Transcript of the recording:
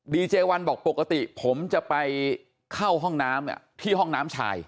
เจวันบอกปกติผมจะไปเข้าห้องน้ำที่ห้องน้ำชาย